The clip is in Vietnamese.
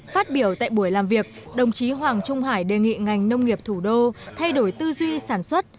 phát biểu tại buổi làm việc đồng chí hoàng trung hải đề nghị ngành nông nghiệp thủ đô thay đổi tư duy sản xuất